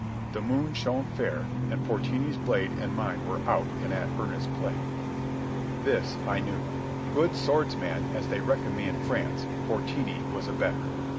The moon shone fair, and Fortini's blade and mine were out and at earnest play. This I knew: good swordsman as they reckoned me in France, Fortini was a better.